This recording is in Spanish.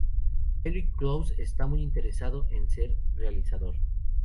Eric Close está muy interesado en ser realizador.